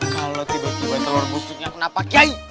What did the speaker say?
kalau tiba tiba telur busuknya kenapa kiai